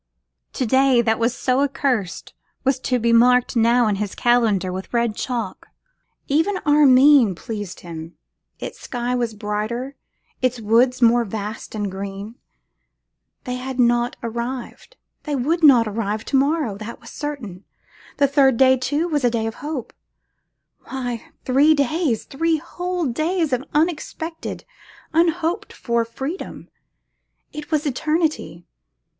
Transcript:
To day, that was so accursed, was to be marked now in his calendar with red chalk. Even Armine pleased him; its sky was brighter, its woods more vast and green. They had not arrived; they would not arrive to morrow, that was certain; the third day, too, was a day of hope. Why! three days, three whole days of unexpected, unhoped for freedom, it was eternity!